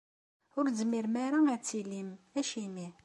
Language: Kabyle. Ur tezmirem ara ad tilim? Acimi?